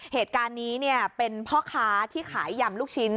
เหตุการณ์นี้เป็นพ่อค้าที่ขายยำลูกชิ้น